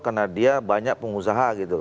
karena dia banyak pengusaha gitu